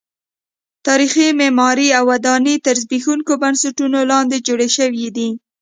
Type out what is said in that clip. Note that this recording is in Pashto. تاریخي معمارۍ او ودانۍ تر زبېښونکو بنسټونو لاندې جوړې شوې دي.